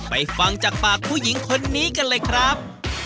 ฟังจากปากผู้หญิงคนนี้กันเลยครับ